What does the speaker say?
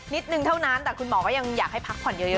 นิดนึงเท่านั้นแต่คุณหมอก็ยังอยากให้พักผ่อนเยอะ